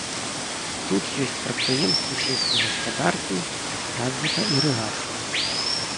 Тут ёсць прадпрыемствы сельскай гаспадаркі, развіта ірыгацыя.